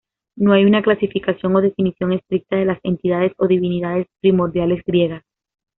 No hay una clasificación o definición estricta de las entidades o divinidades primordiales griegas.